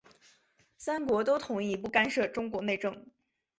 三国都同意不干涉中国内政。